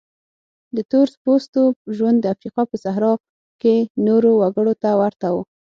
د تور پوستو ژوند د افریقا په صحرا کې نورو وګړو ته ورته و.